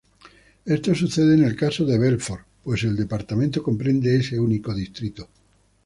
Esto sucede en el caso de Belfort, pues el departamento comprende este único distrito.